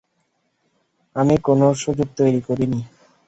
আমি কোনও সুযোগ তৈরী করিনি!